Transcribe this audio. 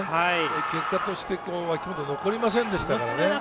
結果として脇本、残りませんでしたよね。